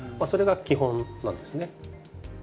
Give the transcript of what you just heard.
それが基本なんですね。